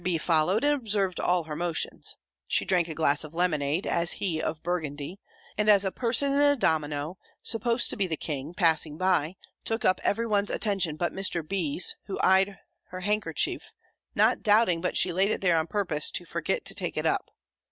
B. followed, and observed all her motions. She drank a glass of lemonade, as he of Burgundy; and a person in a domino, supposed to be the King, passing by, took up every one's attention but Mr. B.'s who eyed her handkerchief, not doubting but she laid it there on purpose to forget to take it up.